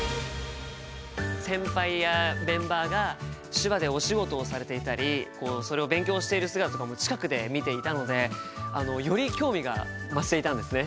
先輩やメンバーが手話でお仕事をされていたりそれを勉強している姿とかも近くで見ていたのでより興味が増していたんですね。